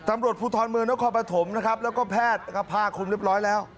ตำรวจภูทรเมืองนครปฐมนะครับแล้วก็แพทย์ก็ผ้าคุมเรียบร้อยแล้ว